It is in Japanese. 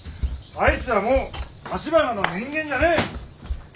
あいつはもう橘の人間じゃねえ。